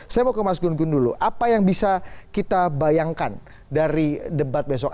saya mau ke mas gun gun dulu apa yang bisa kita bayangkan dari debat besok